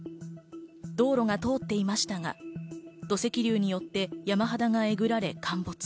道路が通っていましたが、土石流によって山肌がえぐられ陥没。